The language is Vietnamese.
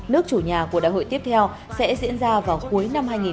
nước chủ nhà của đại hội tiếp theo sẽ diễn ra vào cuối năm hai nghìn hai mươi